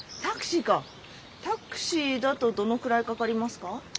タクシーだとどのくらいかかりますか？